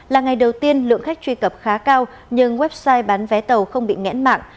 là ngày đầu tiên lượng khách truy cập khá cao nhưng website bán vé tàu không bị ngẽn mạng